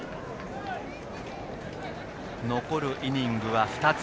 残るイニングは２つ。